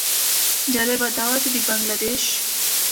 جالبه دا وه چې د بنګله دېش.